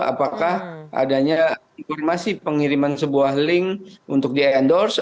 apakah adanya informasi pengiriman sebuah link untuk di endorse